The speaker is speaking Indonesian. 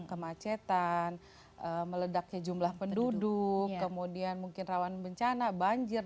kemacetan meledaknya jumlah penduduk kemudian mungkin rawan bencana banjir